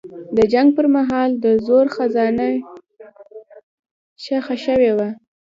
د جنګ پر مهال د زرو خزانه ښخه شوې وه.